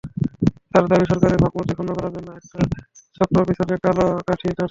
তাঁর দাবি, সরকারের ভাবমূর্তি ক্ষুণ্ন করার জন্য একটা চক্র পেছনে কলকাঠি নাড়ছে।